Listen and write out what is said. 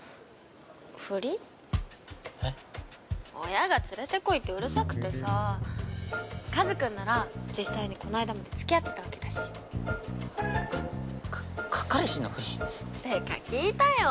親が連れてこいってうるさくてさぁ和くんなら実際にこの間までつきあってたわけだしかか彼氏のふりてか聞いたよ